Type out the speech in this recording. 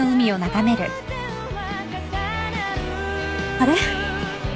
あれ？